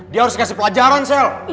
dia harus kasih pelajaran sel